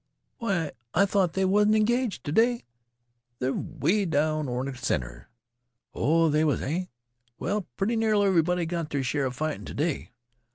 Why, I thought they wasn't engaged t' day they 're 'way over in th' center. Oh, they was, eh? Well, pretty nearly everybody got their share 'a fightin' t' day.